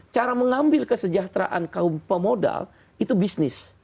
cara mengambil kesejahteraan kaum pemodal itu bisnis